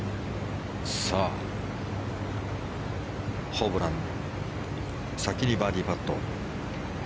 ホブラン先にバーディーパット。